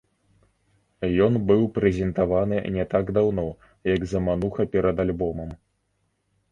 Ён быў прэзентаваны не так даўно, як замануха перад альбомам.